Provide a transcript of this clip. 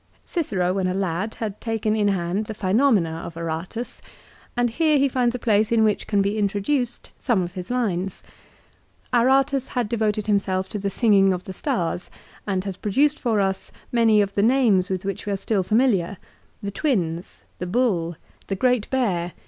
Cicero when a lad had taken in hand the "Phenomena" of Aratus, and here he finds a place in which can be intro duced some of his lines. Aratus had devoted himself to the singing of the stars, and has produced for us many of the names with which we are still familiar. " The Twins." "The Bull" "The Great Bear."